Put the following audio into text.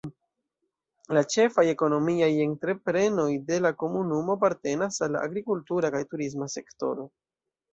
La ĉefaj ekonomiaj entreprenoj de la komunumo apartenas al la agrikultura kaj turisma sektoro.